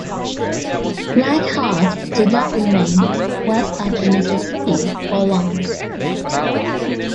Black Hawk did not remain west of the Mississippi for long.